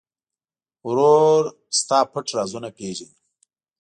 ورور د تا پټ رازونه پېژني.